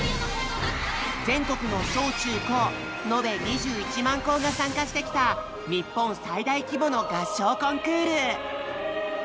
全国の小・中・高のべ２１万校が参加してきた日本最大規模の合唱コンクール！